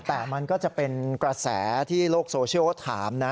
แต่มันก็จะเป็นกระแสที่โลกโซเชียลเขาถามนะ